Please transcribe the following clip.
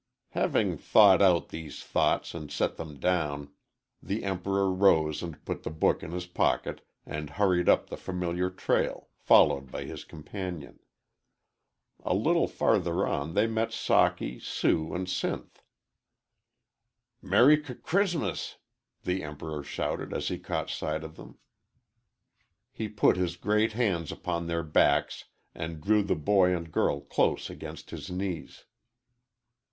"_ Having "thought out" these thoughts and set them down, the Emperor rose and put the book in his pocket and hurried up the familiar trail, followed by his companion. A little farther on they met Socky, Sue, and Sinth. "Merry C'ris'mus!" the Emperor shouted as he caught sight of them. He put his great hands upon their backs and drew the boy and girl close against his knees.